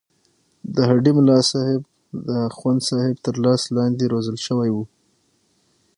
د هډې ملاصاحب د اخوندصاحب تر لاس لاندې روزل شوی وو.